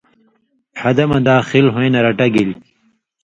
حدہ مہ داخل ہویں نہ رٹہ گیلیۡ؛